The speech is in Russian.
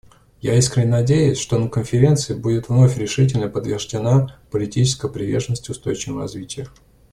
Я искренне надеюсь, что на Конференции будет вновь решительно подтверждена политическая приверженность устойчивому развитию.